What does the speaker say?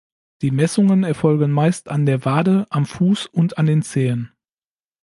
Die Messungen erfolgen meist an der Wade, am Fuß und an den Zehen.